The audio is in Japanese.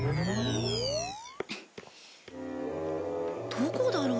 どこだろう？